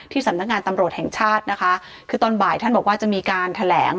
สำนักงานตำรวจแห่งชาตินะคะคือตอนบ่ายท่านบอกว่าจะมีการแถลง